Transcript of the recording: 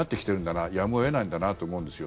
なやむを得ないんだなと思うんですよ。